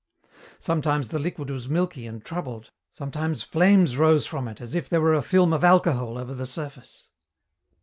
Sometimes the liquid was milky and troubled, sometimes flames rose from it as if there were a film of alcohol over the surface.